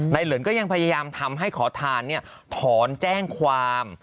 เหลินก็ยังพยายามทำให้ขอทานถอนแจ้งความ